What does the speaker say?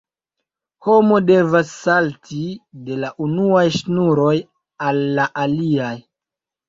Homo devas salti de la unuaj ŝnuroj al la aliaj.